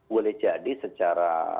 boleh jadi secara